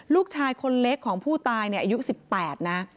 ลูกชายคนเล็กของผู้ตายอายุ๑๘นะ